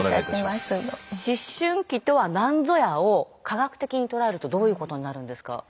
思春期とは何ぞやを科学的に捉えるとどういうことになるんですか？